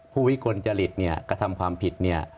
วิกลจริตเนี่ยกระทำความผิดเนี่ย